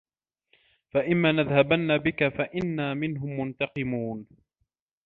فَإِمّا نَذهَبَنَّ بِكَ فَإِنّا مِنهُم مُنتَقِمونَ